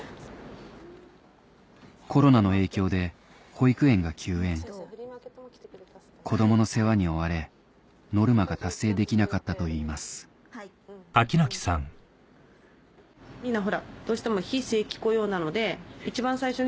コロナの影響で保育園が休園子供の世話に追われノルマが達成できなかったといいますなので例えば。